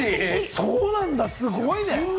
そうなんだ、すごいね。